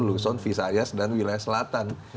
luson visayas dan wilayah selatan